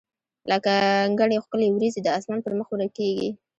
لکه ګڼي ښکلي وریځي د اسمان پر مخ ورکیږي